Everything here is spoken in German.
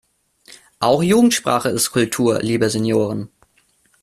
Auch Jugendsprache ist Kultur, liebe Senioren!